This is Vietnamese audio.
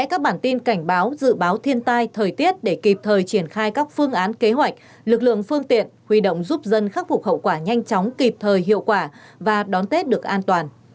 các bản tin cảnh báo dự báo thiên tai thời tiết để kịp thời triển khai các phương án kế hoạch lực lượng phương tiện huy động giúp dân khắc phục hậu quả nhanh chóng kịp thời hiệu quả và đón tết được an toàn